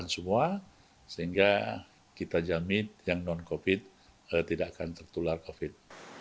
dan semua sehingga kita jamin yang non covid tidak akan tertular covid